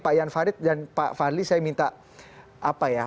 pak jan farid dan pak fadli saya minta apa ya